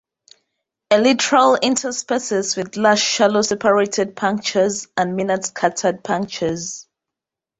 Elytral interspaces with large shallow separated punctures and minute scattered punctures.